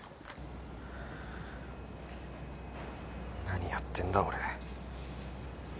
何やってんだ俺。